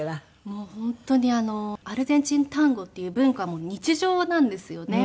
もう本当にアルゼンチンタンゴっていう文化も日常なんですよね。